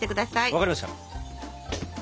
分かりました。